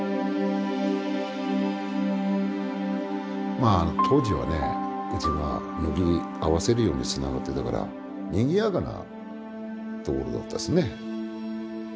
まあ当時はねうちが軒合わせるようにつながってたからにぎやかな所だったですね。